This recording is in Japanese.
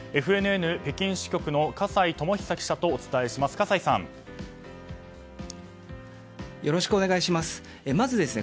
ＦＮＮ北京支局の葛西友久記者とお伝えします。